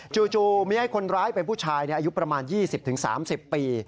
จู่มีคนร้ายเป็นผู้ชายอายุประมาณ๒๐๓๐ปี